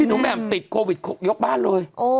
หนูแหม่มติดโควิดยกบ้านเลย